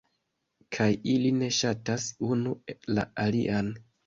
kaj ili ne ŝatas unu la alian